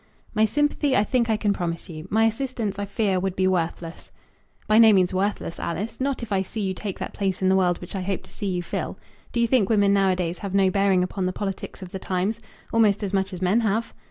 "My sympathy I think I can promise you. My assistance, I fear, would be worthless." "By no means worthless, Alice; not if I see you take that place in the world which I hope to see you fill. Do you think women nowadays have no bearing upon the politics of the times? Almost as much as men have."